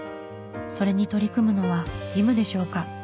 それに取り組むのは義務でしょうか？